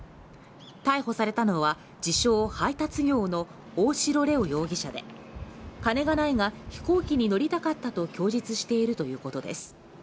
逮捕されたのは、自称配達業の大城玲央容疑者で、金はないが飛行機に乗りたかったと供述しているということです。